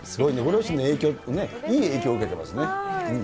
いい影響受けてますね。